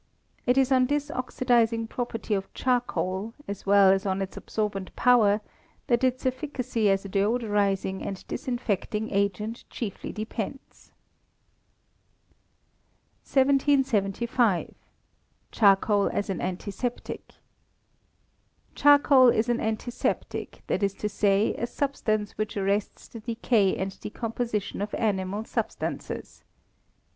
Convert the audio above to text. It is on this oxidizing property of charcoal, as well as on its absorbent power, that its efficacy as a deodorizing and disinfecting agent chiefly depends. 1775. Charcoal as an Antiseptic. Charcoal is an antiseptic, that is to say, a substance which arrests the decay and decomposition of animal substances.